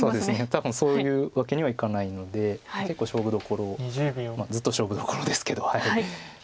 多分そういうわけにはいかないので結構勝負どころずっと勝負どころですけど。